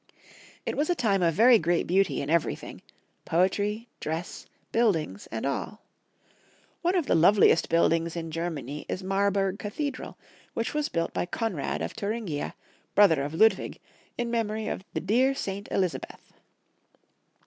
It was a time of very great beauty in everything — poetry, dress, buildings, and all. One of the loveliest buildings in Germany is Marburg Cathe dral, which was built by Konrad of Thuringia, brother of Ludwig, in memory of the " dear saint Elizabeth."